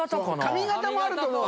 髪形もあると思う。